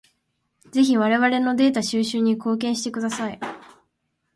ぜひ我々のデータ収集に貢献してください。